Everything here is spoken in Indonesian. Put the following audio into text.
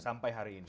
sampai hari ini